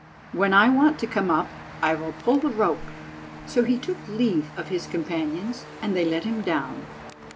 When I want to come up I will pull the rope." So he took leave of his companions, and they let him down.